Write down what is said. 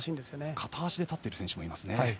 片足で立っている選手もいます。